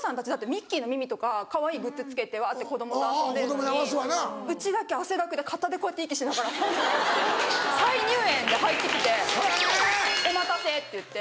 ミッキーの耳とかかわいいグッズ着けてわって子供と遊んでるのにうちだけ汗だくで肩でこうやって息しながら再入園で入ってきて「お待たせ」って言って。